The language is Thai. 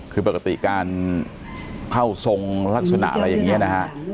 คือปกติการเข้าทรงลักษณะอะไรอย่างนี้นะฮะ